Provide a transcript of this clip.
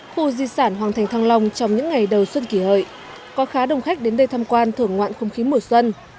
khu di sản hoàng thành thăng long trong những ngày đầu xuân kỷ hợi có khá đông khách đến đây tham quan thưởng ngoạn không khí mùa xuân